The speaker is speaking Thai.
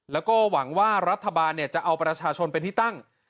แล้วก็หวังว่ารัฐบาลจะเอาประชาชนเป็นที่ตั้ง